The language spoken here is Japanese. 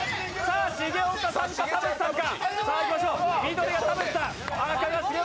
重岡さんか、田渕さんか。